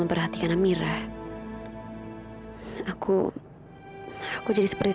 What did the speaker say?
memang aku punya deferensi